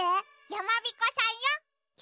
やまびこさん？